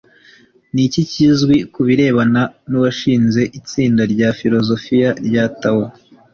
ni iki kizwi ku birebana n’uwashinze itsinda rya filozofiya rya tao?